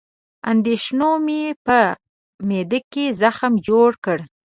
اندېښنو مې په معده کې زخم جوړ کړ